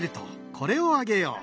これをあげよう。